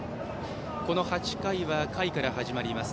この８回は下位から始まります。